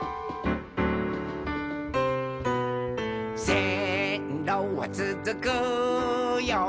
「せんろはつづくよ